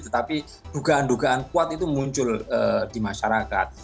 tetapi dugaan dugaan kuat itu muncul di masyarakat